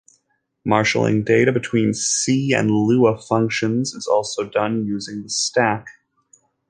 Marshalling data between C and Lua functions is also done using the stack.